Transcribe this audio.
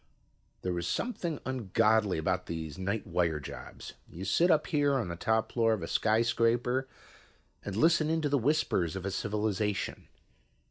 There is something ungodly about these night wire jobs. You sit up here on the top floor of a skyscraper and listen in to the whispers of a civilization.